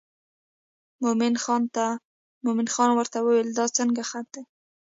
مومن خان ورته وویل دا څنګه خط دی.